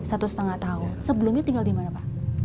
satu setengah tahun sebelumnya tinggal di mana pak